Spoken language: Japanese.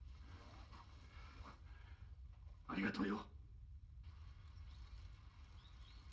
ありがとうよ！